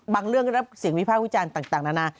บางเรื่องก็ได้รับเสียงวิภาควิจารณ์ต่างนานา